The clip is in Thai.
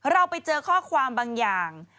เราไปเจอข้อความบางอย่าง